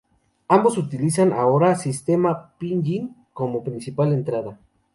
Ambos utilizan ahora el sistema Pinyin como entrada principal.